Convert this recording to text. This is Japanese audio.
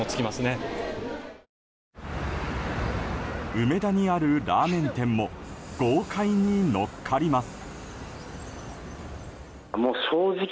梅田にあるラーメン店も豪快に乗っかります。